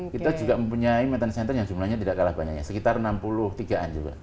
kita juga mempunyai maintenance center yang jumlahnya tidak kalah banyaknya sekitar enam puluh tiga an juga